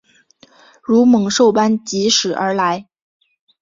如猛兽般疾驶而来